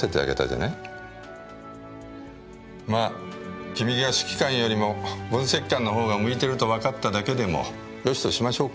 まあ君が指揮官よりも分析官の方が向いてるとわかっただけでもよしとしましょうか。